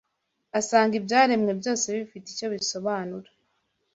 asanga ibyaremwe byose bifite icyo bisobanura